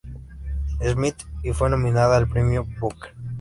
Smith y fue nominada al Premio Booker.